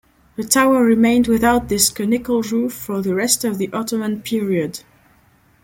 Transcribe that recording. The tower remained without this conical roof for the rest of the Ottoman period.